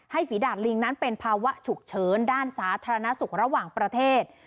ฝีดาดลิงนั้นเป็นภาวะฉุกเฉินด้านสาธารณสุขระหว่างประเทศ